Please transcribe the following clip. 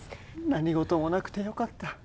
何事もなくてよかった。